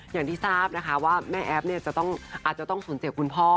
อย่างที่ทราบนะคะว่าแม่แอฟอาจจะต้องสูญเสียคุณพ่อ